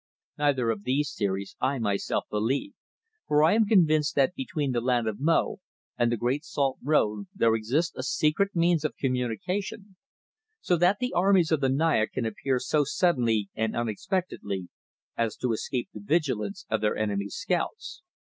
Neither of these theories I myself believe, for I am convinced that between the land of Mo and the Great Salt Road there exists a secret means of communication, so that the armies of the Naya can appear so suddenly and unexpectedly as to escape the vigilance of their enemy's scouts.